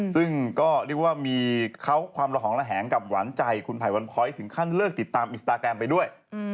ซึ่งก็เรียกว่ามีเขาความละหองระแหงกับหวานใจคุณไผ่วันพ้อยถึงขั้นเลิกติดตามอินสตาแกรมไปด้วย